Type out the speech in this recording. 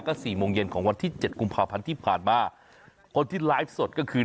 ก็สี่โมงเย็นของวันที่เจ็ดกุมภาพันธ์ที่ผ่านมาคนที่ไลฟ์สดก็คือ